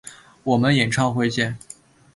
我们演唱会见！